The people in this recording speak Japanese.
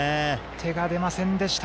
手が出ませんでした。